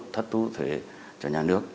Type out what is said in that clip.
thu thế cho nhà nước